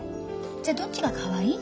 じゃあどっちがかわいい？